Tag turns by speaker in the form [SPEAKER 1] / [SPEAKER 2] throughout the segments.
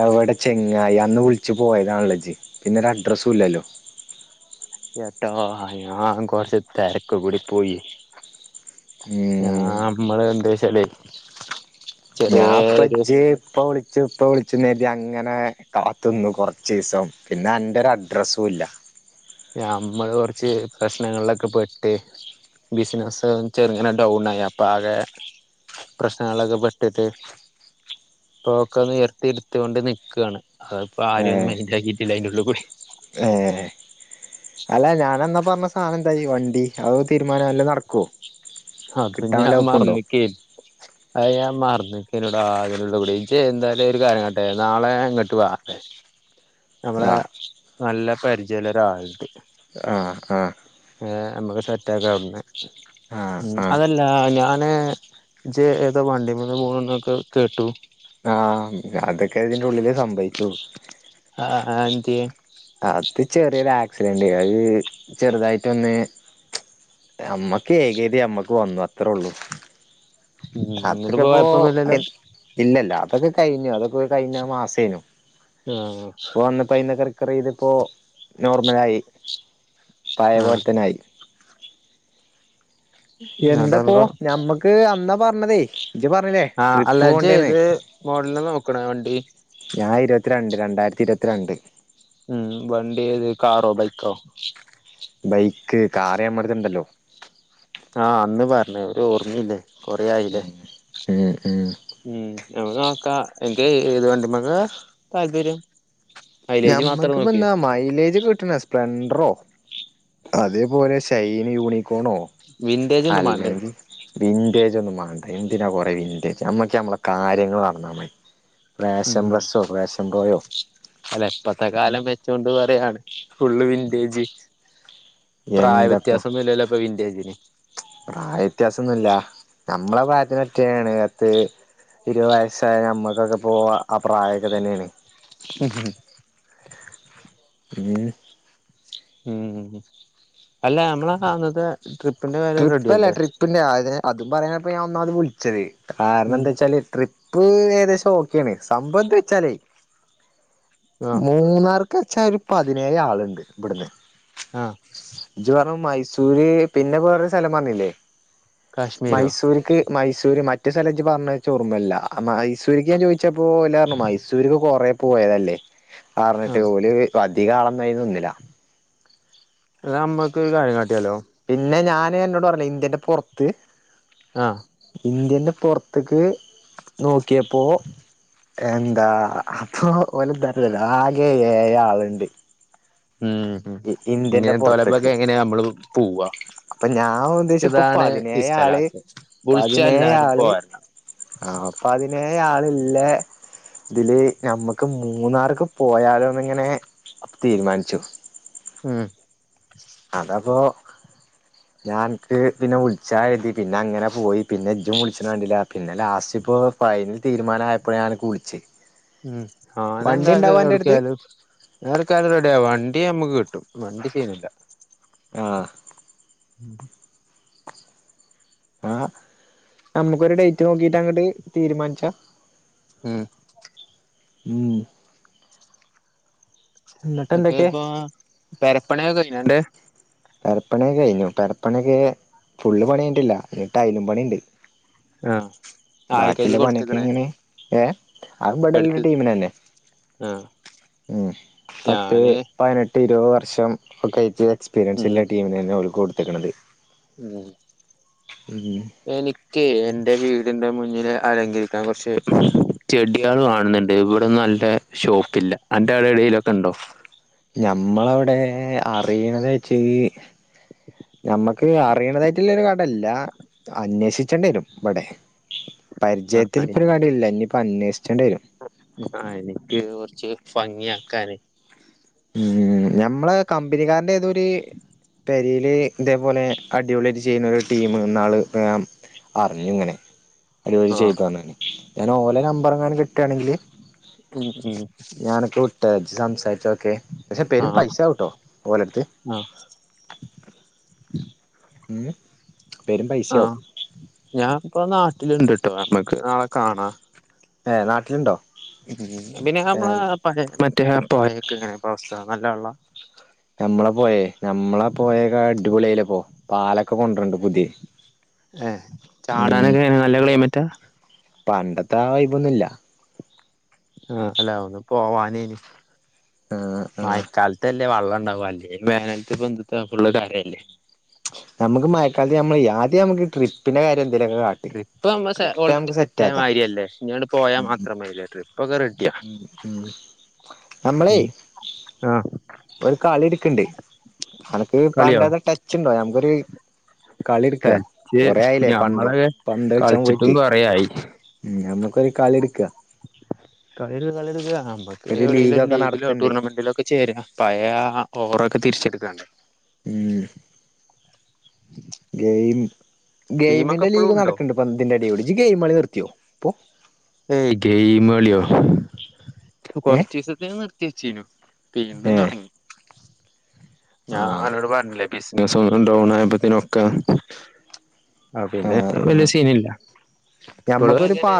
[SPEAKER 1] എവടെ ചെങ്ങായി അന്ന് വിളിച്ച് പോയതാണല്ലേജ്ജ് പിന്നെ അ ഡ്രസ്സുംല്ലാലോ?
[SPEAKER 2] ന്നട്ടോ ആ ഞാൻ കൊറച്ച് തെരക്ക് കൂടി പോയി- ഞാൻ
[SPEAKER 1] ഉം
[SPEAKER 2] അമ്മള് [unintelligible] ഇന്നലെ-
[SPEAKER 1] ഞാൻ ഇപ്പൊജ് ഇപ്പ വിളിച്ചു ഇപ്പൊ വിളി ച്ചു ന്ന് കര്തി അങ്ങനെ കാത്ത്ന്നു കുറച്ചീസം പിന്നെ അന്റെ ഒരു അഡ്രസ്സുല്ല-
[SPEAKER 2] നമ്മള് കുറച്ച് പ്രശ്നങ്ങളിലൊക്കെ പെട്ട് ബിസിനസ് ചെർങ്ങനെ ഡൗൺ ആയി അപ്പൊ ആകെ പ്രശ്നങ്ങളൊക്കെ പെട്ടിട്ട് ഇപ്പൊ ഒക്കെ നിർത്തി എടുത്തൊണ്ട് നിക്കാണ്- അത് ഇപ്പോ
[SPEAKER 1] ഏ
[SPEAKER 2] ആരെയും ഒന്നും മെന്റ് ആക്കിട്ടില്ലേന്യയെള്ളൂ- പൊടീ-
[SPEAKER 1] ഏ- അല്ല ഞനന്നാ പറഞ്ഞ സാ അതെന്തായി വണ്ടി അവ് തീരുമാനേ വല്ലോ നടക്കോ?
[SPEAKER 2] അത്
[SPEAKER 1] കിട്ടാൻ വല്ല
[SPEAKER 2] ഞാൻ
[SPEAKER 1] വകുപ്പുണ്ടോ
[SPEAKER 2] മറന്നിക്കേയ അയ്യോ മാറന്നിരിക്കുവല്ലേട എള്ളു കുടി [unintelligible] ഇജ്ജ് എന്തായാലും ഒരു കാര്യം ഉണ്ട് നാളെ ഇങ്ങട്ട് വാട്ടെ നമ്മള്
[SPEAKER 1] ആ
[SPEAKER 2] നല്ല- പരിചയമുള്ള ഒരു ആടത്
[SPEAKER 1] ആ ആ
[SPEAKER 2] ഏ നമ്മക്ക് സെറ്റാക്കാം അവിടുന്ന്
[SPEAKER 1] ആ ആ
[SPEAKER 2] അതല്ല ഞാ- പിന്നെ ഇജ് ഏതോ വണ്ടിമെന്ന് വീണുന്നൊക്കെ കേട്ടു
[SPEAKER 1] ആ അതൊക്കെ ഇതിന്റെ ഉള്ളില് സംഭവിച്ചു
[SPEAKER 2] ആ ആ എന്തിയെ
[SPEAKER 1] അത് ചെറിയൊരു ആക്സിഡന്റ് അത് ചെറുതായിട്ട് ഒന്ന് അമ്മക്ക് ഏകേതി അമ്മക്ക് വന്നു അത്രേ ഉള്ളു
[SPEAKER 2] ഉം
[SPEAKER 1] അതൊക്കെ
[SPEAKER 2] ന്നിട്ട്പ്പൊ കൊഴപ്പൊന്നുല്ലല്ലോ
[SPEAKER 1] ഇപ്പോയില്ലല്ലോ അതൊക്കെ കഴിഞ്ഞു അതൊക്കെ കഴിഞ്ഞ മാസേനു
[SPEAKER 2] ആഹ്
[SPEAKER 1] ഇപ്പൊ വന്നപ്പോ അയിന്നൊക്കെ റിക്കവറയ്ത് ഇപ്പൊ നോർമലായി പയേ
[SPEAKER 2] ആഹ്
[SPEAKER 1] പോലത്തന്നായി എന്താപ്പോ
[SPEAKER 2] ന്നട്ടപ്പൊ
[SPEAKER 1] ഞമ്മക്ക് അന്ന് പറ- ഞ്ഞതെയ് [unintelligible]
[SPEAKER 2] ആഹ് അല്ല ഇജ്ജ് ഇത് മോഡല് നോക്കണോ വണ്ടി
[SPEAKER 1] ആയിരത്തി ഇരുപത്തി രണ്ട്
[SPEAKER 2] ഉംമ് വണ്ടി ഏത് കാറോ ബൈക്കോ
[SPEAKER 1] ബൈക്ക് കാറ് ഞമ്മടടുത്ത് ഇണ്ടല്ലോ
[SPEAKER 2] ല്ലേ ഒര് ഓർമീല്ലേ കൊറേആയിലെ
[SPEAKER 1] ഇങ് ഇങ്
[SPEAKER 2] മ് ഞമ്മക്ക് നോക്ക അനക്ക് ഏത് വണ്ടിമക്കാ താല്പര്യം മൈലേജ് മാത്രം നോക്കിയേ
[SPEAKER 1] ഞമ്മക്ക്പ്പെന്താ എന്താ മൈലേജ് കിട്ടണ സ്പ്ലെൻണ്ടറോ അതേപോലെ ഷൈൻ യൂണിക്കോണോ
[SPEAKER 2] വിൻറേജ് ഒന്നും വാണ്ടേ
[SPEAKER 1] വിന്റേജ ഒന്നും വാണ്ട എന്തിനാ കൊറേ വിന്റേജ് നമ്മക്ക് നമ്മളെ കാര്യങ്ങള് നടന്നാ മതി. റേഷം
[SPEAKER 2] ഉം
[SPEAKER 1] ബസോ റേഷം റോയോ
[SPEAKER 2] ഇ കാലം വെച്ചോണ്ട് അ വരയാണ് ഫുള് വിൻഡേജി
[SPEAKER 1] എന്താപ്പോ
[SPEAKER 2] പ്രായവ്യത്യാസം ഒന്നൂല്ലല്ലോ ഇപ്പൊ വിന്റെജ്
[SPEAKER 1] പ്രായ വ്യത്യാസൊന്നുല്ല നമ്മളെ പ്രായത്തിന് പറ്റ്യേതന്നേണ് പത്ത് ഇരുപത് വയസായ നമ്മക്കൊക്കെ ആ പ്രായൊക്കെ തന്നെണ്
[SPEAKER 2] ഹു ഹും
[SPEAKER 1] മ്
[SPEAKER 2] മ് അല്ല നമ്മളെ അന്നത്തെ ട്രിപ്പിന്റെ കാര്യം
[SPEAKER 1] ട്രിപ്പ്ല്ല
[SPEAKER 2] റെഡിയല്ലേ
[SPEAKER 1] ട്രിപ്പിന്റെ അ അതും പറയാനപ്പോ ഞാനോന്നാമത് വിൾ ച്ചത്
[SPEAKER 2] ഉം
[SPEAKER 1] കാരണന്തേച്ചാല് ട്രി പ്പ് ഏകദേശം ഓക്കേണ് സംഭവം എന്ത്ച്ചാലേ
[SPEAKER 2] ആഹ്
[SPEAKER 1] മൂന്നാർ ച്ചാ ഒരു പതിനേഴ് ആളുണ്ട് ബ്ട്ന്ന്
[SPEAKER 2] ആഹ്
[SPEAKER 1] സൂര്യേ പിന്നെ വേറ ഒരു സ്ഥലം പറഞ്ഞിലെ
[SPEAKER 2] കാശ്മീരോ
[SPEAKER 1] മൈസൂര്ക്ക് മൈസൂര് മറ്റു സ്ഥല ജ്ജ് പറഞ്ഞത്ച്ച് ഓർമ്മല്ല മൈസൂര്ക്ക് ഞാൻ ചോയ് ച്ചപ്പോ ഓലറഞ്ഞു മൈസൂര് കൊറേ പോയതല്ലേ. ആ ർഞ്ഞിട്ട്
[SPEAKER 2] ആഹ്
[SPEAKER 1] ഓല് അ ധികാളൊന്നഴ്നിന്നില.
[SPEAKER 2] അതമ്മക്ക് ഒരു കാര്യം കാട്ടിയാലോ.
[SPEAKER 1] പിന്നെ ഞാന് അന്നോട് പറഞ്ഞിലെ ഇന്ത്യന്റെ പൊർത്ത്
[SPEAKER 2] ആഹ്
[SPEAKER 1] ഇന്ത്യന്റെ പൊർത്ത്ക്ക് നോക്കിയപ്പോ എന്താ അപ്പൊ ഓലെന്താട്ടു അറിയൊ ആകെ ഏഴാള്ണ്ട്.
[SPEAKER 2] ഉം ഉം
[SPEAKER 1] ഇന്ത്യന്റെ
[SPEAKER 2] ഇങ്ങനെ തൊലപ്പൊക്കെ
[SPEAKER 1] പൊർത്ത്ക്ക്.
[SPEAKER 2] എങ്ങനെയാ നമ്മള് പോവാ
[SPEAKER 1] അപ്പൊ ഞാൻ ഉദ്ദേശിച്ചത് പ്പൊ
[SPEAKER 2] ഇതാണ്
[SPEAKER 1] പതിനേഴാള്
[SPEAKER 2] ഇഷ്ടല്ലാത്തെ വിളിച്ചാ എല്ലാരും
[SPEAKER 1] പതിനേഴാള്
[SPEAKER 2] പോരണം
[SPEAKER 1] ആഹ് പതിനേ ഴാളില്ല തില് ഞമ്മക്ക് മൂന്നാർക്ക് പോയാലോന്ന് ഇങ്ങനെ തീരുമാനിച്ചു.
[SPEAKER 2] ഉം
[SPEAKER 1] അതപ്പോ ഞാ അൻക്ക് പിന്നെ വുൾച്ചാ കര്തി പിന്നെ അങ്ങനെ പോയി. പിന്നെ ഇജ്ജും വിൾച്ചിണത് കണ്ടില പിന്നെ ലാസ് റ്റിപ്പോ ഫൈനൽ തീരുമാനയപ്പഴാ ഞാൻ അൻക്ക് വുളിച്ചത്.
[SPEAKER 2] ഉം ഹോനെന്തായാലും ഒട്ക്കായാലും ഞാ ഒട്ക്കായാലും റെഡിയാ. വൺ ണ്ടി ഞമക്ക് കിട്ടും. വണ്ടി സീനില്ല.
[SPEAKER 1] ആഹ്
[SPEAKER 2] ഉം
[SPEAKER 1] ആഹ് നമ്മുക്കൊരു ഡേറ്റ് നോക്കീട്ട് അങ്ങട്ട് തീരുമാന്ച്ചാ
[SPEAKER 2] ഉം
[SPEAKER 1] മ്
[SPEAKER 2] എന്നിട്ട് ഇപ്പൊ പെരപ്പണി ഒക്കെ കയ്ഞ്ഞോ അന്റെ
[SPEAKER 1] പരപ്പണി ഒക്കെകഴിഞ്ഞു പെരപ്പണ്യക്കെ ഫുള്ള്പണിയയ്ഞ്ഞിട്ടില്ല നി ടൈലും പണിണ്ട്
[SPEAKER 2] ആഹ്
[SPEAKER 1] ബാക്കില്ല
[SPEAKER 2] ആയിക്കഴിഞ്ഞ്
[SPEAKER 1] പണിയൊക്കെ
[SPEAKER 2] കൊടുത്തക്കണേ
[SPEAKER 1] എങ്ങനെ ഏഹ് ആഹ് ബഡല്ലെ
[SPEAKER 2] എടുത്ത്
[SPEAKER 1] ടീമിനന്നെ
[SPEAKER 2] ആഹ്
[SPEAKER 1] ഉം പത്ത്
[SPEAKER 2] ഞാന്
[SPEAKER 1] പയ്നെട്ട് ഇരുവ വർഷം ഒക്കെ എയ്ച് പീരൻസ്
[SPEAKER 2] ഉം
[SPEAKER 1] ല്ലെ ടീമിനന്നെ ഓൽക്കൊട്- ത്ത്ക്കണത്
[SPEAKER 2] ഉം ഏനി ക്കെ എൻറെ വീടിന്റെ മുന്നില് അലങ്കരിക്കാൻ കൊറ്ച്ച് ചെടികൾ വാണംന്ന്ണ്ട് ഇവിടന്നും നല്ല ഷോപ്പില്ല അന്റെ ആടെ എടേലൊക്കെ ഉണ്ടോ
[SPEAKER 1] നമ്മളവടെ അറീണതേച്ച് ഞമ്മക്ക് അറിയണതായിട്ട്ല്ല ഒരു കടല്ല അന്വേഷിച്ചണ്ട്യരും ഇവടെ പരിചയത്തിൽ
[SPEAKER 2] ആഹ്
[SPEAKER 1] ഇപ്പൊ ഒരു കട ഇല്ല ഇനിയിപ്പൊ അന്വേഷ്-
[SPEAKER 2] ആഹ് എനിക്ക് കൊറ്ച്ച് ഭംഗിയാക്കാന്
[SPEAKER 1] ഉം ഞമ്മള കമ്പനിക്കാരന്റെതൊര് പെരീല് ഇതേപോലെ അടിപൊളായിട്ട് ചെയ്യുന്ന ഒരു ടീമ് ന്നാള് അറിഞ്ഞുഇങ്ങനെ അത്പോലെ
[SPEAKER 2] ആഹ്
[SPEAKER 1] ചെയ്തന്ന്ണ് ഞാൻ ഓലെ നമ്പർ എങ്ങാനും കിട്ടുകയാണെങ്കില്
[SPEAKER 2] ഉം ഉം
[SPEAKER 1] സംസാരിച്ചോക്കെ പക്ഷെ പെരും
[SPEAKER 2] ആഹ്
[SPEAKER 1] പൈസക്കുട്ടോ ഓലട്ത്ത്
[SPEAKER 2] ആഹ്
[SPEAKER 1] ഏ
[SPEAKER 2] ആഹ് ഞാൻ ഇപ്പെ നാട്ടി ട്ടില് ഇൻണ്ട്ട്ടോ ഞമ്മക്ക് നാളെ കാണാ
[SPEAKER 1] ഏ നാട്ടിലുണ്ടോ
[SPEAKER 2] ഉം പിന്നെ
[SPEAKER 1] ഏ
[SPEAKER 2] നമ്മള പയേ മറ്റേ പെയേയോക്കെങ്ങനെ അവസ്ഥ ആഹ് നല്ല വെള്ളാ
[SPEAKER 1] ഞമ്മളെ പോയെ നമ്മളെ പോയേകെ അടിപൊളിയല്ലപ്പോ പാലൊക്കെ കൊണ്ടാർന്ന് പുതിയ
[SPEAKER 2] ഏ
[SPEAKER 1] ഉം
[SPEAKER 2] ചാടാനൊക്കെെ നല്ല ക്ലൈമറ്റ് റ്റ
[SPEAKER 1] പണ്ടത്തെ ആ വൈബൊന്നുല്ല
[SPEAKER 2] ആ അല്ല ഒന്നു പോവാന്
[SPEAKER 1] ആ ആ
[SPEAKER 2] മയക്കാലത്തല്ലേ വെള്ള ണ്ടാവാൺച്ചാ മേലേത്തത്ത് എന്ത്ത്താ ഫുള്ള് കാരല്ലേ
[SPEAKER 1] നമുക്ക് മയക്കാലത്ത് നമ്മള് ആദ്യം നമുക്ക് ട്രിപ്പിന്റെ കാര്യ
[SPEAKER 2] ട്രിപ്പ് നമ്മ ൾ ഓൾറെഡി സെറ്റ
[SPEAKER 1] സെറ്റ്
[SPEAKER 2] ആയ
[SPEAKER 1] ആക്കാം
[SPEAKER 2] മാര്യല്ലേ ഇഞങ്ങോട് പോയാ മാത്രമേല്ല ട്രിപ്പ്
[SPEAKER 1] ഉ ഉം നമ്മളെയ്
[SPEAKER 2] ഉം ആഹ്
[SPEAKER 1] കളി എടുക്കണ്ട് അനക്ക് പണ്ടത്തെ ടച്ച് ഉണ്ടോ ഞമക്കൊരു
[SPEAKER 2] ടച്ച്
[SPEAKER 1] പണ്ട്
[SPEAKER 2] ഞമ്മളെക്കെ
[SPEAKER 1] പന്ത് കളിച്ചാൻ
[SPEAKER 2] കളിച്ചിട്ടും കൊറേ യായി
[SPEAKER 1] ക്കെ കളിട്ക്ക
[SPEAKER 2] കലിഡിത് കളി ഡ് ത്ത് കാണ മുക്ക് എവിടേലും ഒരു
[SPEAKER 1] ലീഗൊക്കെ
[SPEAKER 2] ലീഗിലോ
[SPEAKER 1] നടത്തണ്ട്
[SPEAKER 2] ടൂർണമെന്റലോ ഒക്കെ ചേരാ ഒക്കെ തിരിച്ച്ട് ക്കാ ണ്ട്
[SPEAKER 1] ഉം ഗയിം
[SPEAKER 2] ടീമൊക്കെ
[SPEAKER 1] ഗെയിമിന്റെ
[SPEAKER 2] ഇപ്പളും
[SPEAKER 1] ലീഗ്
[SPEAKER 2] ഉണ്ടോ
[SPEAKER 1] നടക്ക്‌ ണ്ട് പന്തിന്റെ അടിയോടടി ഇജ് ഗെയിമ് കളിനി ത്യോ പോ
[SPEAKER 2] ഏയ് ഗയ്മളിയോ
[SPEAKER 1] ഏ
[SPEAKER 2] കൊറച്ചിസത്തിന് നിർത്തിവച്ചീന്നു വീണ്ടും
[SPEAKER 1] ഏ
[SPEAKER 2] തൊടങ്ങി ആഹ് അന്നൊടുപറഞ്ഞില്ലേ ബിസി [unintelligible] നൊ ഡൗൺ ആയപ്പത്തെനൊക്കെ ആ പിന്നെ
[SPEAKER 1] ആഹ്
[SPEAKER 2] പ്പോവല്യ
[SPEAKER 1] ആഹ്
[SPEAKER 2] സീനില്ല ഇപ്പോള്ങ്ങനെ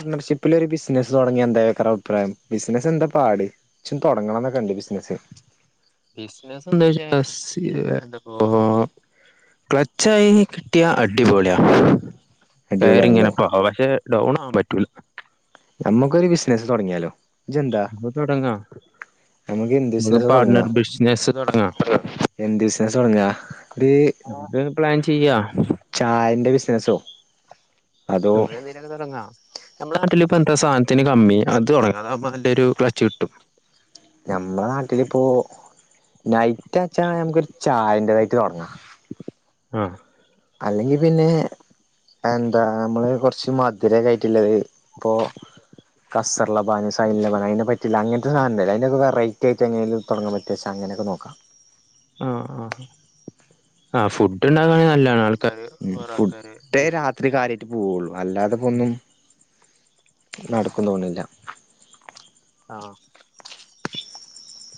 [SPEAKER 1] നസ്സ് തൊടങ്ങിയ എന്താ ക്കറെഅപ്രായം ബിസിനസ്സ് എന്താ പാട് ഇച്ചും തുടങ്ങണംന്നൊക്ക ണ്ട് ബിസിനസ്സ്
[SPEAKER 2] ബിസിന സ് [unintelligible] ക്ലച്ചായി കിട്ടിയ അടിപൊളിയാ
[SPEAKER 1] അടിപൊളിയാണല്ലേ
[SPEAKER 2] കയറിങ്ങനെപ്പോ പക്ഷെ ഡൗണ് ആവാൻ പത് [unintelligible]
[SPEAKER 1] ഞമ്മക്കൊരു ബിസ് നസ്സ് തൊടങ്ങിയാലോ. ഇജന്താ
[SPEAKER 2] നമുക്ക് തുടങ്ങാം
[SPEAKER 1] നമക്ക് എന്ത്
[SPEAKER 2] നമുക്ക്
[SPEAKER 1] ബിസ്നസാ തൊടങ്ങാ
[SPEAKER 2] പാർട്ണർ ബിസിനസ് തുടങ്ങാം
[SPEAKER 1] എന്ത് ബിസ്നസ തൊടങ്ങാ ഒരു
[SPEAKER 2] നമുക്ക് പ്ലാൻ ചെയ്യാ
[SPEAKER 1] ചായന്റെ ബിസ്നസോ.
[SPEAKER 2] മ്മക്ക് ന്തെലേക്കെ തൊടങ്ങാം നമ്മടെ നാട്ടിലും. ഇപ്പ എന്താ സാധനത്തിന് കമ്മി. അത് തുടങ്ങാ അ നല്ലൊരു ക്ലച്ച് കിട്ടും..
[SPEAKER 1] നമ്മടെ നാട്ടിലിപ്പോൾ നൈറ്റാച്ചാ നമക്കൊരു ചായെന്റതാട്ട് തൊടങ്ങാം.
[SPEAKER 2] ആ.
[SPEAKER 1] അല്ലെങ്കി പിന്നെ എന്താ മ്മള് കുറച്ച് മധുരൊക്കെ ആയിട്ടുള്ളത്. ഇപ്പോ കസർലബാൻ സൈൻ ലബാൻ അതിനെ പറ്റിയില്ല അങ്ങനത്തെ സാധനല്ലെ അയിന്റെക്കെ വെറൈറ്റി ആയിട്ട് എങ്ങനെലും തൊടങ്ങാൻ പറ്റുച്ചാ, അങ്ങനൊക്കെ നോക്കാം.
[SPEAKER 2] ആ ആ ആ ഫുഡ് ഉണ്ടാക്കാണെ നല്ലാണ്.
[SPEAKER 1] ഉം ഫുഡേ രാത്രി കാര്യായ് ട്ട് പൂവൊള്ളൂ അല്ലാതെ പ്പൊന്നും. നടക്കുന്ന് തോന്നണില്ല.
[SPEAKER 2] ആ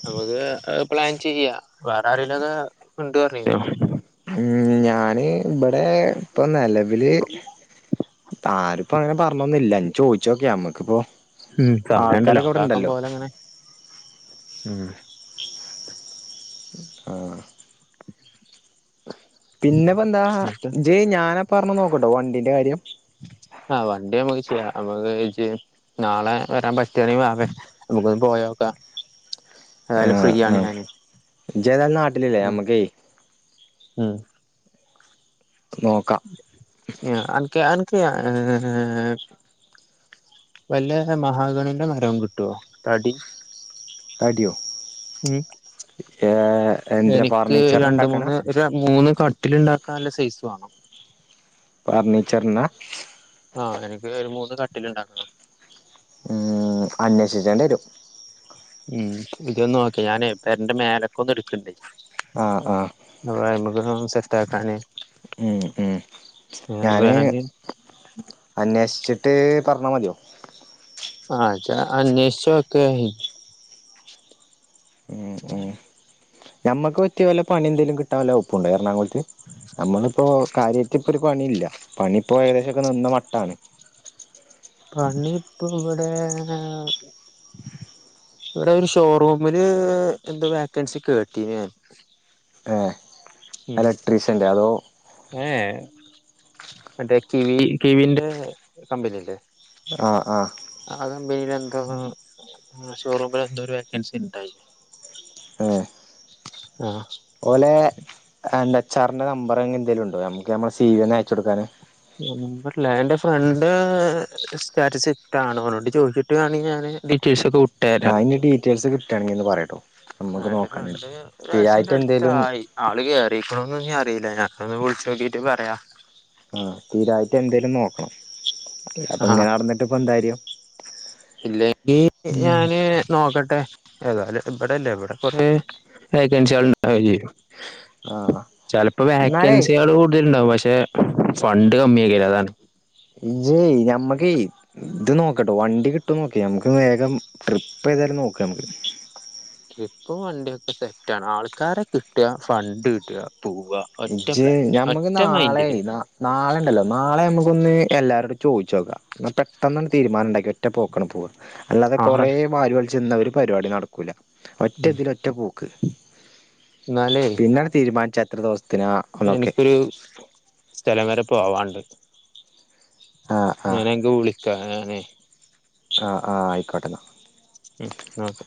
[SPEAKER 2] ഞമ്മക്ക് അയ് പ്ലാൻ ചെയ്യാ വേറെ ആരെങ്കിലൊക്കെ ഉണ്ട് പറഞ്ഞിനു
[SPEAKER 1] ഞാനി ഇബ് ഏ ഇപ്പം നെലവില് ആര്പ്പാെ അങ്ങനെ പർഞ്ഞൊന്ന്ല്ല ഞ്ഞ് ചോയ്ച്ചോക്ക് ഞമ്മക്ക്പ്പോ
[SPEAKER 2] ഉം സമയണ്ടല്ലോ
[SPEAKER 1] ആൾക്കാരൊക്കെ
[SPEAKER 2] കാക്കം
[SPEAKER 1] വ്ടെണ്ടല്ലോ
[SPEAKER 2] പോലെ അങ്ങനെ ഉം
[SPEAKER 1] ആഹ് പിന്നെപ്പെന്താ
[SPEAKER 2] എന്നിട്ട്
[SPEAKER 1] ജ് ഞാന പർഞ്ഞെ നോക്ക്ട്ടോ വണ്ടീന്റെ കാര്യം
[SPEAKER 2] ആഹ് വണ്ടി ഞമ്മക്ക് ചെയ്യാ ഞമ്മക്ക് ജ് നാളെ വരാം പറ്റാണെങ്കി വാവേ നമുക്കാെന്ന് പോയാേക്കാ
[SPEAKER 1] ആഹ് ആഹ് ഇജേതായാലും നാട്ട്ല് ല്ലേ ഞമ്മക്കേ
[SPEAKER 2] ഏ അൻക്ക് അൻ ക്ക് ഏ വല്ല മഹാഗണിന്റെ മരോം കിട്ടോ തടി
[SPEAKER 1] തട്യോ
[SPEAKER 2] ഉം
[SPEAKER 1] ഏ എന്തിനാ
[SPEAKER 2] എനിക്ക്
[SPEAKER 1] ഫർണിച്ചറിന്
[SPEAKER 2] രണ്ട്
[SPEAKER 1] ഉണ്ടാക്കാനാ
[SPEAKER 2] മൂന്ന് ഒര് മൂന്ന് കട്ടില് ണ്ടാക്കാൻല്ല സൈസ് വാണം
[SPEAKER 1] ഫർണീച്ചർനാ
[SPEAKER 2] കട്ടില്ണ്ടാക്കണം
[SPEAKER 1] ഉം അന്വേഷിക്കേണ്ട്യെരും
[SPEAKER 2] ഉം ഇജൊന്ന് നോക്ക് ഞാനെ പെര്ന്റെ മേലെക്കാെന്ന്ട്ക്ക്ണ്ടേ
[SPEAKER 1] ആഹ് ആഹ്
[SPEAKER 2] ഇതൊന്ന് സെറ്റാക്കാനെ
[SPEAKER 1] ഉം ഉം ഞാന് അന്വേഷിച്ചിട്ട്. പർഞ്ഞ മത്യോ.
[SPEAKER 2] ആഹ് ജ്ജ അന്വേഷ്ചോക്
[SPEAKER 1] ഉം ഉം ഞമ്മക്ക് പറ്റ്യയ വല്ല പണിയെന്തേലും കിട്ടാ വല്ല വകുപ്പുണ്ടൊ എർണാകുള നമ്മള്പ്പോ കാര്യ ഇപ്പൊരു പണില്ല. പണിപ്പോ ഏകദേശൊക്കെ നിന്ന മട്ടാണ്
[SPEAKER 2] പണി ഇപ്പം വടേ ഇവിടെരു ഷോറൂമില് എന്തോ വേക്കൻസി കേട്ടിനി ഞാന്
[SPEAKER 1] ഏഹ് എലക്ട്രീഷ്യൻ്റെ അതോ
[SPEAKER 2] ഏ മറ്റേ കിവി കിവിന്റെ കമ്പനില്ലേ
[SPEAKER 1] ആഹ് ആഹ്
[SPEAKER 2] ആഹ് കമ്പനിലെന്തോ ആഹ് ഷോറൂമിലെന്തോരു വേക്കൻസിണ്ടായിനി
[SPEAKER 1] ഏഹ്
[SPEAKER 2] ആഹ്
[SPEAKER 1] ഓലെ എന്റെ എച്ച് ആറിന്റെ നമ്പർ അങ്ങനെ എന്തേലും ഉണ്ടോ നമ്മുക്ക് നമ്മളെ സീ യു ന് അയച്ച കൊടുക്കാന്
[SPEAKER 2] നമ്പല്ല എന്റെ ഫ്രണ്ട് സ്റ്റാറ്റസ് ഇട്ടാണോ ഓനോട്‌ ചോയ്ച്ചിട്ടാണെങ്കിൽ ഞാന് ഡീറ്റെയൽസ് ഒക്കെ വി
[SPEAKER 1] ആ
[SPEAKER 2] ഇട്ടര
[SPEAKER 1] അതിന്റെ ഡീറ്റെയിൽസ് കിട്ടുകയാണെങ്കിൽ ഒന്ന് പറയട്ടോ
[SPEAKER 2] ആ
[SPEAKER 1] നമ്മുക്ക്
[SPEAKER 2] എന്റെ
[SPEAKER 1] നോക്കാനാണ്
[SPEAKER 2] ഫ്രണ്ട്
[SPEAKER 1] സ്ഥിരായിട്ട്
[SPEAKER 2] ഒരാവിശ്യന്റെ
[SPEAKER 1] എന്തേലും
[SPEAKER 2] അടുത്തായി ആള് കേറിക്ക്‌ണോന്ന് ഇഞ്ഞി അറിയൂല ഞാൻ ഒന്ന് വിളിച്ച് നോക്കിട്ട് പറയാ
[SPEAKER 1] ആ തിരായിട്ട് എന്തേലും നോക്കണം അപ്പൊ ഇങ്ങനെ നടന്നിട്ട് ഇപ്പം എന്താ കാര്യം
[SPEAKER 2] ഇല്ലെങ്കിൽ ഞാന് നോക്കട്ടെ ഏതാലും ഇവിടെല്ലേ ഇവിടെ കൊറേ വെക്കൻസികൾ ഇണ്ടായി
[SPEAKER 1] ആ
[SPEAKER 2] ചെലപ്പോ
[SPEAKER 1] എന്നാലേ
[SPEAKER 2] വോക്കൻസികള് കൂടുതൽ ഉണ്ടാവും പക്ഷേ റ്റേ ഫണ്ട് കമ്മിയ്കാരം അതാണ്
[SPEAKER 1] ഇജ്ജ് ഞമ്മക്ക് ഇത് നോക്കട്ടോ വണ്ടി കിട്ടോ നോക്കി നമുക്ക് വേഗം ട്രിപ്പ് ഏതാലും നോക്ക നമ്മക്ക്
[SPEAKER 2] ഇപ്പം വണ്ടിയൊക്ക സെറ്റാണ് ആണ് ആൾക്കാരെ കിട്ട ഫണ്ട് കിട്ട
[SPEAKER 1] ഇജ്ജ് ഞമ്മക്ക് നാളെ
[SPEAKER 2] മൈൻഡില്
[SPEAKER 1] ന നാളെണ്ടല്ലോ നാളെ നമുക്കൊന്ന് എല്ലാരൊടും ചോയ്ച്ചോക്കാം ന്നാ പെട്ടന്നണ്ട് തീരുമാനം ഉണ്ടാക്കി ഒറ്റ പോക്കണ്ട് പോവ അല്ലാതെ
[SPEAKER 2] ആണ്
[SPEAKER 1] കുറേ വാരി വലിച്ചിന്ന ഒരു പരിപാടി നട കുല
[SPEAKER 2] ഉം
[SPEAKER 1] ഒറ്റതില് ഒറ്റ പൂ ക്ക്
[SPEAKER 2] എന്നാലേ
[SPEAKER 1] പിന്നണ്ട് തീരുമാനിച്ച ഇത്ര ദിവ
[SPEAKER 2] എനിക്കൊരു സ്ഥലം വരെ പോവാണ്ട്
[SPEAKER 1] ആഹ്
[SPEAKER 2] ഞാനങ്ക വിളിക്ക ഞാനേ
[SPEAKER 1] അ അ ആയിക്കോട്ടന്ന
[SPEAKER 2] ഉ നക്കെ